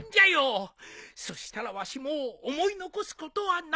そしたらわしもう思い残すことはない。